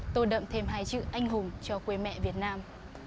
tô đậm thêm hai chữ anh hùng cho quê mẹ việt nam